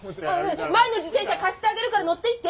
前の自転車貸してあげるから乗っていって！